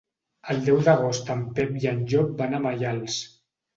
El deu d'agost en Pep i en Llop van a Maials.